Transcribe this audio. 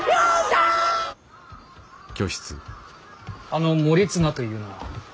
あの盛綱というのは。